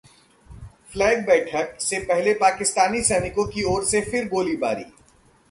flag बैठक से पहले पाकिस्तानी सैनिकों की ओर से फिर गोलीबारी